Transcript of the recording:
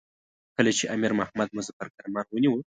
کله چې امیر محمد مظفر کرمان ونیوی.